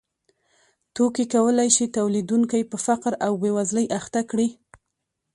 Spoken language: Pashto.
توکي کولای شي تولیدونکی په فقر او بېوزلۍ اخته کړي